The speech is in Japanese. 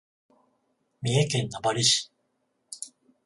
三重県名張市